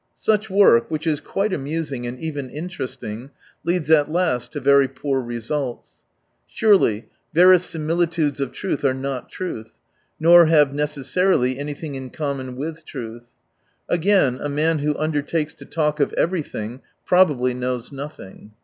Such work, which is quite amusing and even interesting, leads at last to very poor results. Surely verisimilitudes of truth are not truth : nor have necessarily anything in common with truth. Again, a man who undertakes to talk of everything probably knows noth ing.